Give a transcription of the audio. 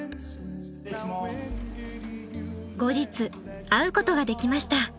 後日会うことができました。